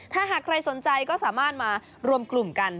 ถ้าหากใครสนใจก็สามารถมารวมกลุ่มกัน